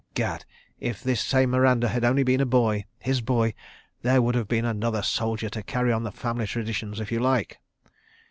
... Gad! If this same Miranda had only been a boy, his boy, there would have been another soldier to carry on the family traditions, if you like!